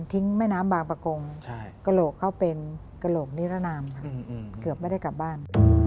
แม่น้ำบางประกงกระโหลกเขาเป็นกระโหลกนิรนามค่ะเกือบไม่ได้กลับบ้าน